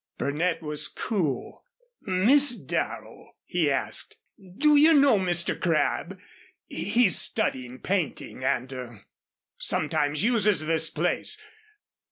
Burnett was cool. "Miss Darrow," he asked, "you know Mr. Crabb? He's studying painting, and er sometimes uses this place.